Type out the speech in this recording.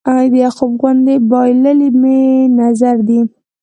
د یعقوب غوندې بایللی مې نظر دی